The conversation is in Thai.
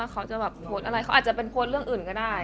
เขาจะแบบโพสต์อะไรเขาอาจจะเป็นโพสต์เรื่องอื่นก็ได้